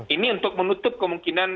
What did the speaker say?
ini untuk menutup kemungkinan